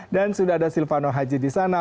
dan sudah ada silvano haji di sana